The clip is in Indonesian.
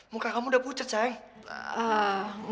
muka kamu udah pucet sayang